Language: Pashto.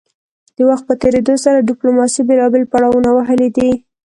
د وخت په تیریدو سره ډیپلوماسي بیلابیل پړاونه وهلي دي